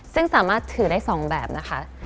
ซึ่งสามารถถือได้๒แบบนะคะ